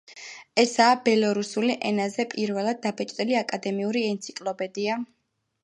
ესაა ბელორუსულ ენაზე პირველად დაბეჭდილი აკადემიური ენციკლოპედია.